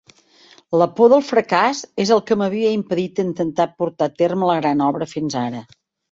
La por del fracàs és el que m'havia impedit intentar portar a terme la Gran Obra fins ara.